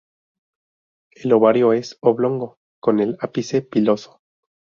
El ovario es oblongo, con el ápice piloso.